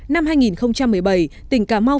năm hai nghìn một mươi bảy tỉnh cà mau